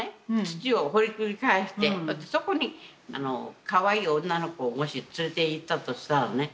土を掘りくり返してそこにかわいい女の子をもし連れていったとしたらね